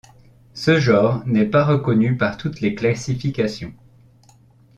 Ce genre n'est pas reconnu par toutes les classifications.